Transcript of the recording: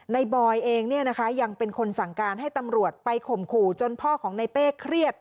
นายบอยเองเนี่ยนะคะยังเป็นคนสั่งการให้ตำรวจไปข่มขู่จนพ่อของนายเป้เครียด